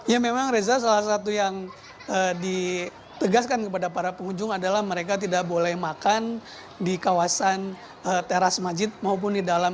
ya memang reza salah satu yang ditegaskan kepada para pengunjung adalah mereka tidak boleh makan di kawasan teras majid maupun di dalam